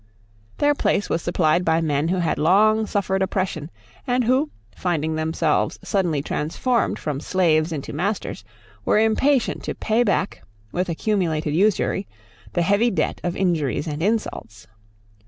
Their place was supplied by men who had long suffered oppression, and who, finding themselves suddenly transformed from slaves into masters, were impatient to pay back, with accumulated usury, the heavy debt of injuries and insults.